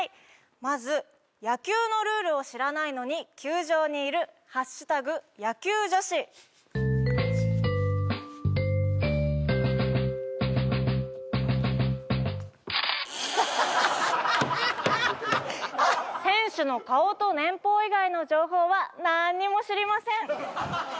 まず野球のルールを知らないのに球場にいる「＃野球女子」選手の顔と年俸以外の情報はなーんにも知りません